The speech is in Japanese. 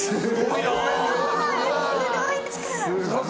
すごい。